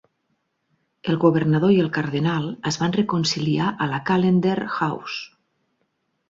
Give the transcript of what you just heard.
El governador i el cardenal es van reconciliar a la Callendar House.